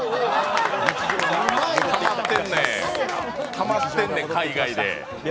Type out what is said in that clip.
たまってんねん、海外で。